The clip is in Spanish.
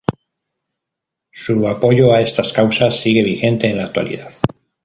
Su apoyo a estas causas sigue vigente en la actualidad.